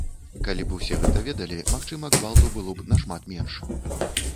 Калі б усе гэта ведалі, магчыма, гвалту было б нашмат менш.